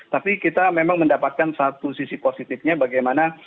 tapi kita memang mendapatkan satu sisi positifnya bagaimana